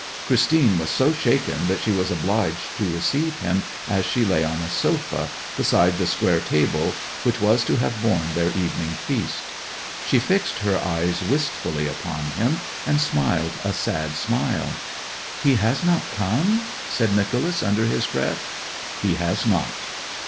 Christine was so shaken that she was obliged to receive him as she lay on a sofa, beside the square table which was to have borne their evening feast. She fixed her eyes wistfully upon him, and smiled a sad smile. 'He has not come?' said Nicholas under his breath. 'He has not.'